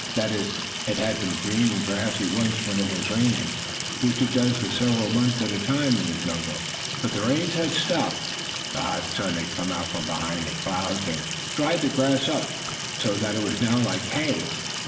That is, it had been green and grassy once when it was raining, which it does for several months at a time in the jungle. But the rains had stopped, the hot sun had come out from behind the clouds and dried the grass up, so that it was now like hay.